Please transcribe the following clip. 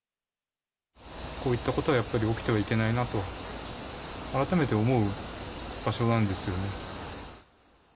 こういったことはやっぱり起きてはいけないなと、改めて思う場所なんですよね。